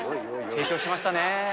成長しましたね。